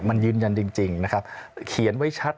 มันยืนยันจริงนะครับเขียนไว้ชัด